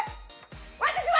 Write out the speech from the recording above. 私は！